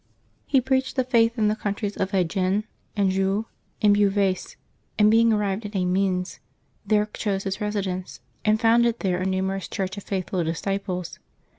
He preached the Faith in the countries of Agen, Anjou, and Beauvais, and being arrived at Amiens, there chose his residence, and founded there a numerous church of faith ful disciples.